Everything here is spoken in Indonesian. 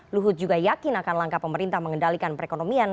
luhut juga yakin akan langkah pemerintah mengendalikan perekonomian